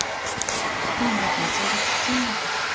どんだけ器がちっちゃいんだか。